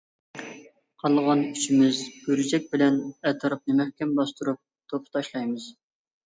قالغان ئۈچىمىز گۈرجەك بىلەن ئەتراپىنى مەھكەم باستۇرۇپ، توپا تاشلايمىز.